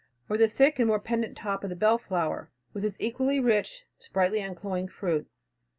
Or the thick and more pendent top of the belleflower, with its equally rich, sprightly uncloying fruit.